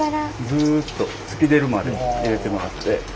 ずっと突き出るまで入れてもらって。